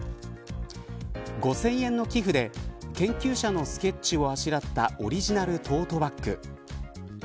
５０００円の寄付で研究者のスケッチをあしらったオリジナルトートバッグ。